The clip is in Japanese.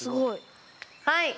はい。